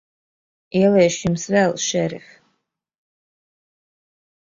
Ieliešu Jums vēl, šerif.